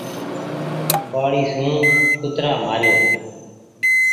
ڪوُوآڙي سون ڪترآ مآريو ۔